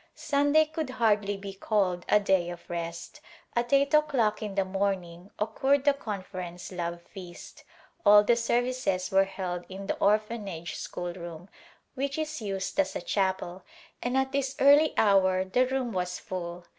Sunday could hardly be called a day of rest. At eight o'clock in the morning occurred the conference love feast. All the services were held in the Or phanage schoolroom which is used as a chapel, and at this early hour the room was full.